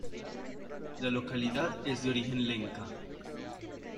La localidad es de origen lenca.